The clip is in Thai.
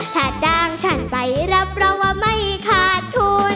ถ้าจ้างฉันไปรับเราว่าไม่ขาดทุน